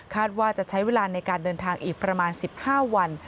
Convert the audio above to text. ว่าจะใช้เวลาในการเดินทางอีกประมาณ๑๕วัน